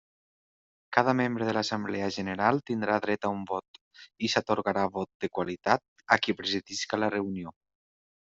Cada membre de l'assemblea general tindrà dret a un vot, i s'atorgarà vot de qualitat a qui presidisca la reunió.